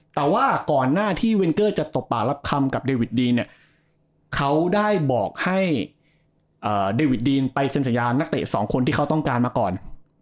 แต่ว่าก่อนหน้าที่เวนเกอร์จะตบป่ารับคำกับเดวิดดีนเนี่ยเขาได้บอกให้เดวิดดีนไปเซ็นสัญญานักเตะสองคนที่เขาต้องการมาก่อน